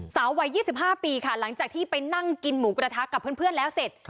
วัย๒๕ปีค่ะหลังจากที่ไปนั่งกินหมูกระทะกับเพื่อนแล้วเสร็จ